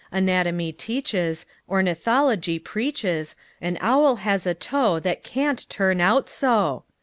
Anatomy teaches, Ornithology preaches An owl has a toe That can't turn out so!